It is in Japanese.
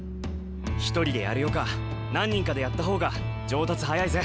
一人でやるよか何人かでやった方が上達早いぜ。